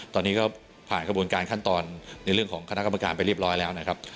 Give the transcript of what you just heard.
ตอนนี้ก็ผ่านกระบวนการขั้นตอนในเรื่องของคณะกรรมการไปเรียบร้อยแล้วนะครับ